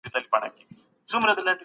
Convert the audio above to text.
دغه مڼه تر ټولو مڼو لویه ده.